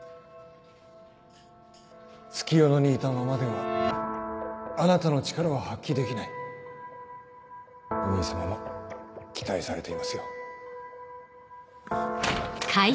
月夜野にいたままではあなたの力は発揮できないお兄さまも期待されていますよ